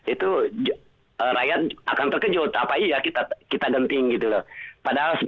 itu rakyat akan terkejut apa iya kita genting gitu loh